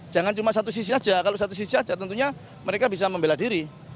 jangan cuma satu sisi saja kalau satu sisi saja tentunya mereka bisa membela diri